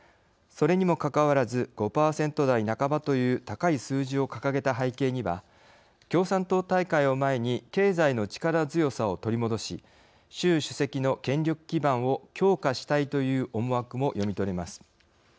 それにも関わらず５％台半ばという高い数字を掲げた背景には共産党大会を前に経済の力強さを取り戻し習主席の権力基盤を強化したいという思惑も読み取れます。